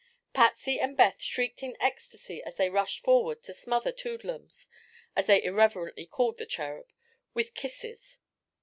Patsy and Beth shrieked in ecstasy as they rushed forward to smother "Toodlums," as they irreverently called the Cherub, with kisses.